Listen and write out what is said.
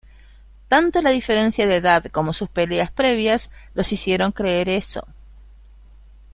Tanto la diferencia de edad como sus peleas previas los hicieron creer eso.